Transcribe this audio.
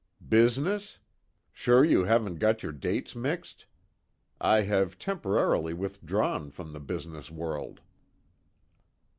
"Business? Sure you haven't got your dates mixed. I have temporarily withdrawn from the business world."